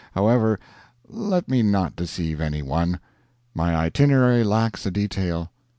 However, let me not deceive any one. My Itinerary lacks a detail.